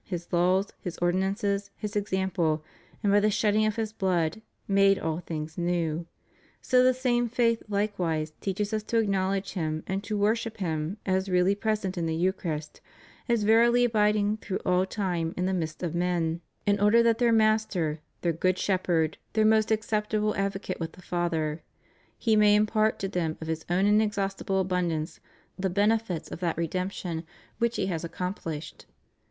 His laws, His ordinances. His example, and by the shedding of His blood, made all things new; so the same faith likewise teaches us to acknowledge Him and to worship Him as really present in the Eucharist, as verily abiding through all time in the midst of men, in ' Jude 10. 520 THE MOST HOLY EUCHARIST. order that their Master, their Good Shepherd, their most acceptable Advocate with the Father, He may impart to them of His own inexhaustible abmidance the benefits of that redemption which He has accomplished.